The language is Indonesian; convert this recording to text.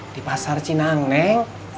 di pasar cinaan neng